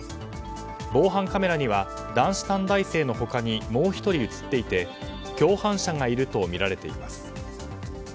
防犯カメラには男子短大生の他にもう１人映っていて共犯者がいるとみられています。